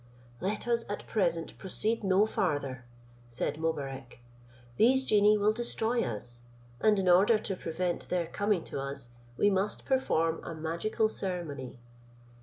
"Let us at present proceed no farther," said Mobarec, "these genii will destroy us: and in order to prevent their coming to us, we must perform a magical ceremony."